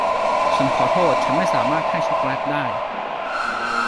ฉันขอโทษฉันไม่สามารถให้ช็อกโกแลตได้